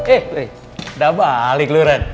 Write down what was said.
eh udah balik lu ren